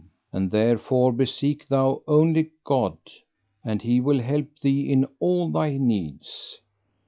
And therefore beseek thou only God, and He will help thee in all thy needs.